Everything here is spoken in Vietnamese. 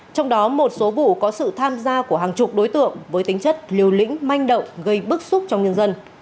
trong đó một số vụ có sự tham gia của hàng chục đối tượng với tính chất liều lĩnh manh động gây bức xúc trong nhân dân